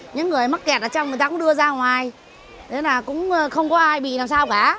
những người mắc kẹt ở trong người ta cũng đưa ra ngoài thế là cũng không có ai bị làm sao cả